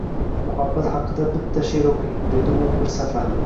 – Muhabbat haqida bitta she’r o’qing, – dedi u bir safar.